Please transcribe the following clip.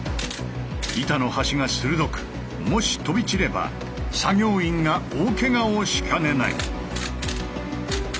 板の端が鋭くもし飛び散れば作業員が大けがをしかねない。